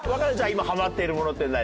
今ハマっているものって何？